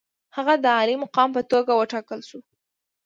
هغه د عالي مقام په توګه وټاکل شو.